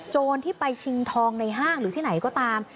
ที่ไปชิงทองในห้างหรือที่ไหนก็ตาม